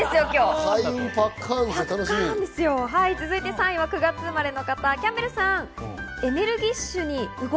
３位は９月生まれの方、キャンベルさん。